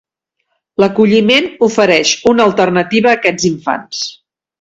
L'acolliment ofereix una alternativa a aquests infants.